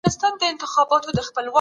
پر ښځو باندي طبابت زده کول فرض دي.